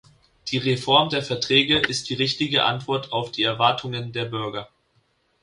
Die Reform der Verträge ist die richtige Antwort auf die Erwartungen der Bürger.